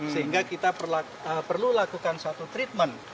sehingga kita perlu lakukan satu treatment